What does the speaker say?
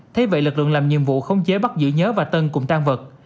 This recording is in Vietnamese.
thế vậy lực lượng làm nhiệm vụ không chế bắt giữ nhớ và tân cùng trang vật